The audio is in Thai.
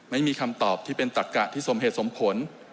ไม่มีคำตอบที่เป็นตักกะที่สมเหตุสมผล